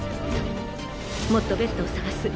もっとベッドを探す。